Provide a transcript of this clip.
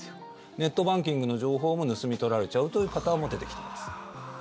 ネットバンキングの情報も盗み取られちゃうという方も出てきています。